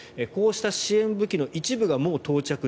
こうした支援武器の一部がもう到着。